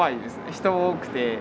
人多くて。